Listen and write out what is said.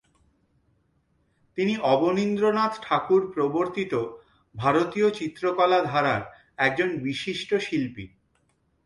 তিনি অবনীন্দ্রনাথ ঠাকুর প্রবর্তিত ভারতীয় চিত্রকলা ধারার একজন বিশিষ্ট শিল্পী।